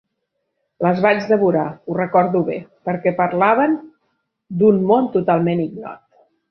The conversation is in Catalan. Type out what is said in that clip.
Les vaig devorar, ho recordo bé, perquè parlaven d'un món totalment ignot.